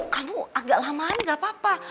kamu agak lama aja gak apa apa